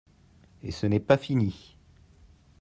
Et ce n’est pas fini.